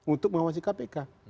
untuk mengawasi kpk